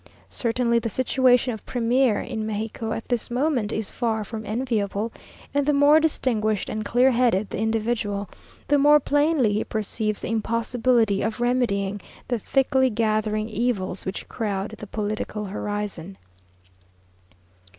Certainly the situation of premier in Mexico, at this moment, is far from enviable, and the more distinguished and clear headed the individual, the more plainly he perceives the impossibility of remedying the thickly gathering evils which crowd the political horizon.